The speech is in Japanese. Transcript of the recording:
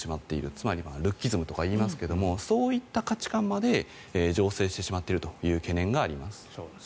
つまりルッキズムとか言いますけどそういった価値観まで醸成してしまっているという懸念があります。